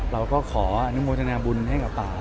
เราก็ขออนุโมทนาบุญให้กับป่า